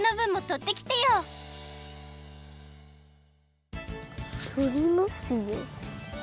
とりますよ。